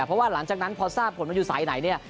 เพราะว่าหลังจากนั้นพอทราบผลมันอยู่สายไหนเนี่ย